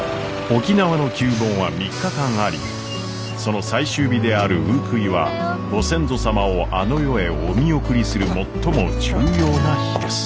沖縄の旧盆は３日間ありその最終日である「ウークイ」はご先祖様をあの世へお見送りする最も重要な日です。